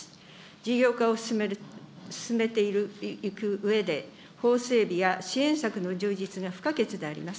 事業化を進めていくうえで、法整備や支援策の充実が不可欠であります。